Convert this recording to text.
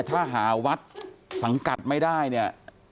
ถ้าหาวัดสังกัดไม่ได้เนี่ย